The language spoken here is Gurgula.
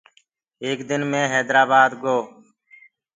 ايڪ دن مي هيدرآبآد گو۔